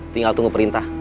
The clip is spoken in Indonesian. tinggal tunggu perintah